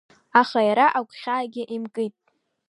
Аха иара агәхьаагьы имкит.